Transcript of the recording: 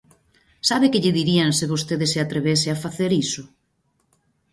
¿Sabe que lle dirían se vostede se atrevese a facer iso?